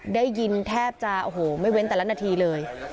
ได้ยินแทบจะโอ้โหไม่เว้นแต่ละนาทีเลย